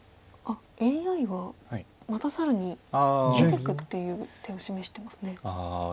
ＡＩはまた更に出ていくっていう手を示してますね。